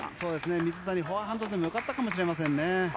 水谷、フォアハンドでも良かったかもしれませんね。